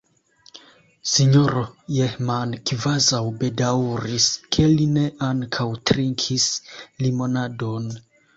S-ro Jehman kvazaŭ bedaŭris, ke li ne ankaŭ trinkis limonadon.